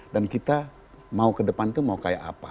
dan kita mau ke depanku mau kayak apa